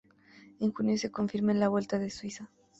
En junio, se confirmó en la Vuelta a Suiza.